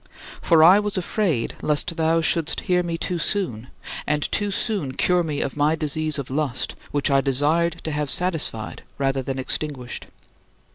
For I was afraid lest thou shouldst hear me too soon, and too soon cure me of my disease of lust which I desired to have satisfied rather than extinguished.